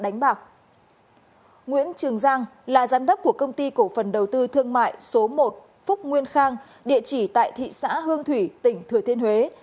nguyễn trường giang là giám đốc của công ty cổ phần đầu tư thương mại số một phúc nguyên khang địa chỉ tại thị xã hương thủy tỉnh thừa thiên huế